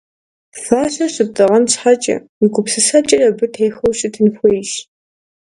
Фащэр щыптӀэгъэн щхьэкӀэ, уи гупсысэкӀэри абы техуэу щытын хуейщ.